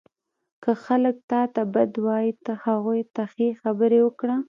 • که خلک تا ته بد وایي، ته هغوی ته ښې خبرې وکړه.